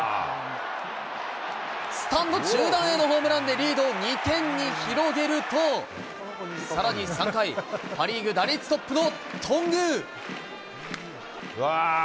スタンド中段へのホームランでリードを２点に広げると、さらに３回、パ・リーグ打率トップの頓宮。